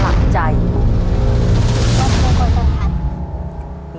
วัดมงคลสถาน